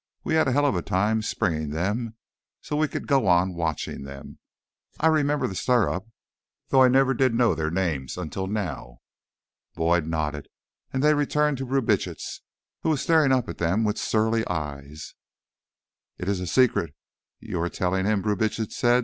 We had a hell of a time springing them so we could go on watching them. I remember the stir up, though I never did know their names until now." Boyd nodded, and they returned to Brubitsch, who was staring up at them with surly eyes. "It is a secret you are telling him," Brubitsch said.